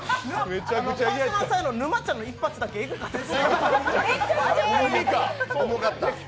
川島さんへの沼ちゃんの一発がエグかった。